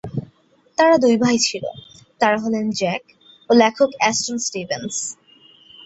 তার দুই ভাই ছিল, তারা হলেন জ্যাক ও লেখক অ্যাস্টন স্টিভেন্স।